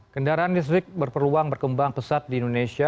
kendaraan listrik berpeluang berkembang pesat di indonesia